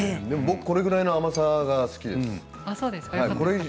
僕はこれぐらいの甘さが好きです。